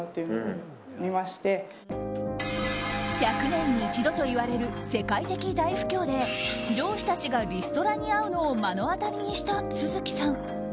１００年に一度といわれる世界的大不況で上司たちがリストラに遭うのを目の当たりにした續さん。